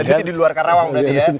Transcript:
jadi di luar kerawang berarti ya